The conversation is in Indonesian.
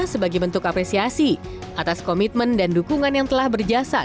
sebagai bentuk apresiasi atas komitmen dan dukungan yang telah berjasa